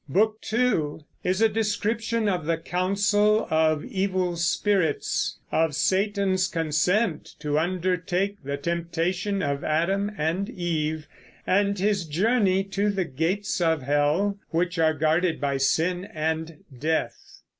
Book II is a description of the council of evil spirits, of Satan's consent to undertake the temptation of Adam and Eve, and his journey to the gates of hell, which are guarded by Sin and Death.